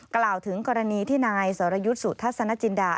กล่าวถึงกรณีที่นายสรยุทธ์สุทัศนจินดา